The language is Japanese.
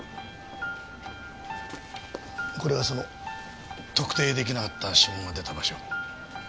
これがその特定出来なかった指紋が出た場所。